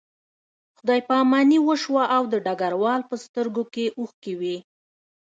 خدای پاماني وشوه او د ډګروال په سترګو کې اوښکې وې